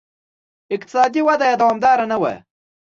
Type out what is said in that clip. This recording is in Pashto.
اقتصادي وده یې دوامداره نه وه